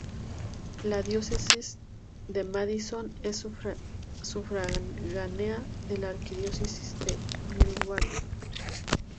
La Diócesis de Madison es sufragánea de la Arquidiócesis de Milwaukee.